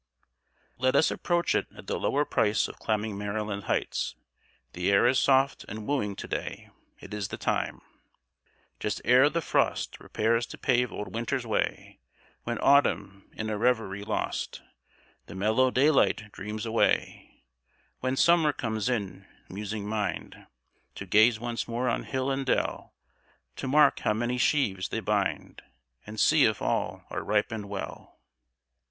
] Let us approach it at the lower price of climbing Maryland Hights. The air is soft and wooing to day. It is the time "just ere the frost Prepares to pave old Winter's way, When Autumn, in a reverie lost, The mellow daylight dreams away; When Summer comes in musing mind To gaze once more on hill and dell, To mark how many sheaves they bind, And see if all are ripened well."